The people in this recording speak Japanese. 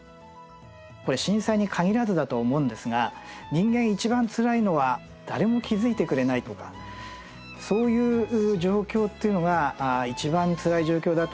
これ震災に限らずだと思うんですが人間一番つらいのは誰も気付いてくれないとかそういう状況っていうのが一番つらい状況だと思うんですね。